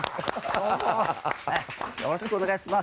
よろしくお願いします。